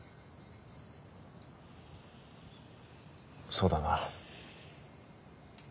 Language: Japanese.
そうだな。